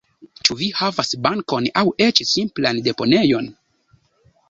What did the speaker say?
Ĉu vi havas bankon aŭ eĉ simplan deponejon?